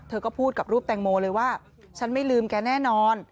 เธอก็พูดกับรูปแตงโมเลยว่าฉันไม่ลืมแกแน่นอน